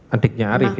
adiknya arief ya